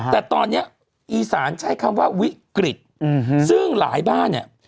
แต่ตอนนี้อีสานใช้คำว่าวิกฤตซึ่งหลายบ้านเนี่ย